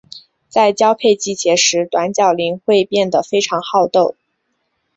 在交配季节时短角羚会变得非常好斗。